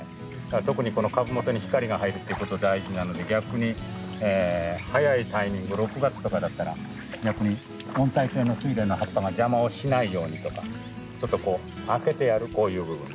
特にこの株元に光が入るっていうこと大事なので逆に早いタイミング６月とかだったら逆に温帯性のスイレンの葉っぱが邪魔をしないようにとかちょっと空けてやるこういうふうに。